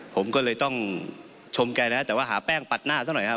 ผมก็เลยต้องชมแกแล้วแต่ว่าหาแป้งปัดหน้าซะหน่อยครับ